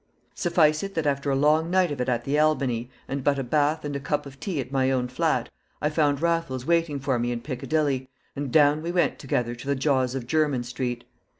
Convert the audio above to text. Suffice it that after a long night of it at the Albany, and but a bath and a cup of tea at my own flat, I found Raffles waiting for me in Piccadilly, and down we went together to the jaws of Jermyn Street.